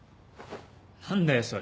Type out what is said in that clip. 何だよそれ。